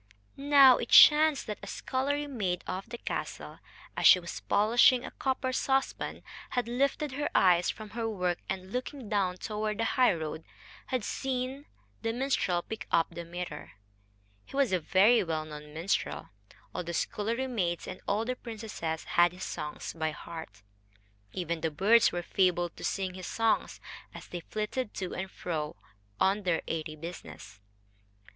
Now it chanced that a scullery maid of the castle, as she was polishing a copper saucepan, had lifted her eyes from her work, and, looking down toward the highroad, had seen the minstrel pick up the mirror. He was a very well known minstrel. All the scullery maids and all the princesses had his songs by heart. Even the birds were fabled to sing his songs, as they flitted to and fro on their airy business.